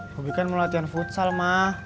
gua bikin melatihan futsal mah